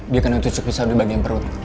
dia kena tusuk pisau di bagian perut